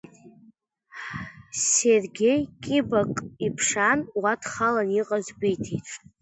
Сергеи кьыбак иԥшаан, уа дхаланы иҟаз гәеиҭеит.